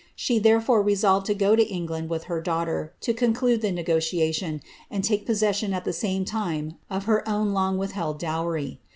She therefore resolved to go to England with her laughter, to conclude the negotiation, and take possession at the same ime of her own long withheld dowry.